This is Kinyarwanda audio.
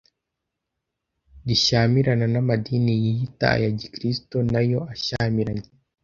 Rishyamirana n’amadini yiyita aya gikristo na yo ashyamiranye